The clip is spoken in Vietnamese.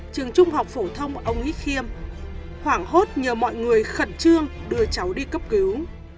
trường trung học phổ thông ông ý khiêm hoảng hốt nhờ mọi người khẩn trương đưa cháu đi cấp cứu